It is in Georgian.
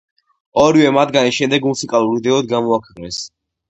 ორივე მათგანი შემდეგ მუსიკალურ ვიდეოდ გამოაქვეყნეს.